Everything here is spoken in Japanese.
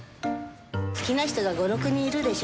好きな人が５、６人いるでしょ。